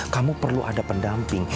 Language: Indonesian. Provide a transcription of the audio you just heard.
kamu perlu ada pendamping